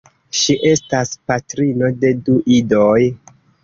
Ŝi estas patrino de du idoj.